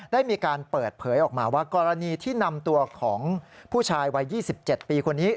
ได้มีการเปิดเผยออกมาว่ากรณีที่นำตัวของผู้ชายวัย๒๗ปีคนนี้